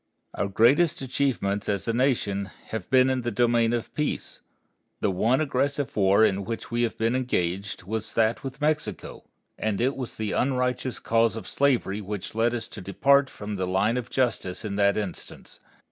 Our greatest achievements as a nation have been in the domain of peace. The one aggressive war in which we have been engaged was that with Mexico, and it was the unrighteous cause of slavery which led us to depart from the line of justice in that instance.